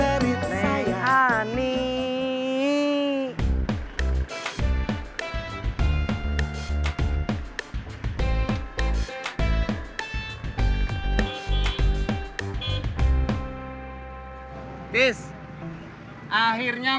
ini tepatlah janji jadinya aku